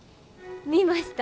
見ました。